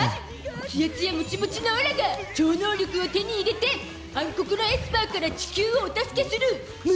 ツヤツヤモチモチのオラが超能力を手に入れて暗黒のエスパーから地球をお助けする胸